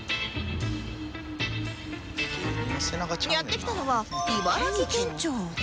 やって来たのは茨城県庁